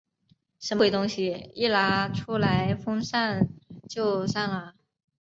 什么鬼东西？一拿出来风扇就散了。